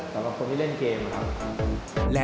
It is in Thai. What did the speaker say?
สำหรับคนที่เล่นเกมนะครับ